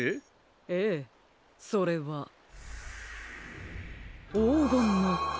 ええそれはおうごんのかがやきです。